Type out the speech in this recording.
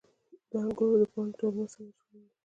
د انګورو د پاڼو دلمه څنګه جوړیږي؟